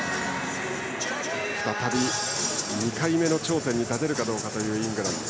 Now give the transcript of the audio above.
再び２回目の頂点に立てるかどうかイングランド。